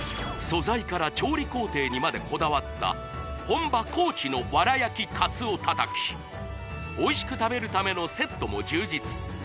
素材から調理工程にまでこだわった本場高知の藁焼き鰹たたきおいしく食べるためのセットも充実